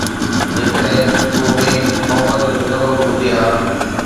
جيڪڏهن تو ۾ محبت جو ذرو به هجي ها